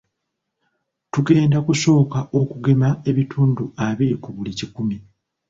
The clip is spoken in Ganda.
Tugenda kusooka okugemako ebitundu abiri ku buli kikumi.